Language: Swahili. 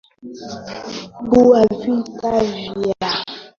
bua vita vya kibiashara kama ile